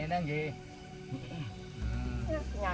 ini enak enak